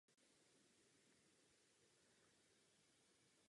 Daňoví poplatníci by však za své peníze chtěli lepší výsledky.